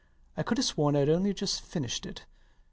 I could have sworn I'd only just finished it.